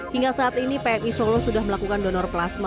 hingga saat ini pmi solo sudah melakukan donor plasma